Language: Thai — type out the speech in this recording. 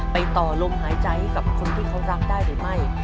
ต่อลมหายใจให้กับคนที่เขารักได้หรือไม่